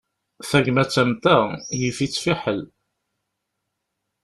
Tagmat am ta, yif-itt fiḥel.